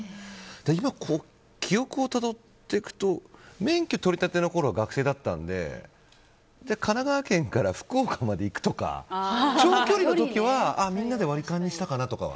今、記憶をたどっていくと免許取りたてのころは学生だったので神奈川から福岡まで行くとか長距離の時はみんなで割り勘にしたかなとか。